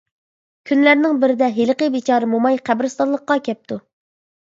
كۈنلەرنىڭ بىرىدە ھېلىقى «بىچارە موماي» قەبرىستانلىققا كەپتۇ.